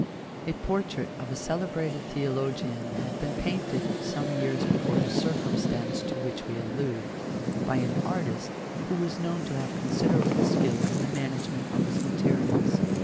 A portrait of a celebrated theologian had been painted some years before the circumstance to which we allude, by an artist who was known to have considerable skill in the management of his materials.